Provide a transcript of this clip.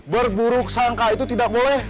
berburuk sangka itu tidak boleh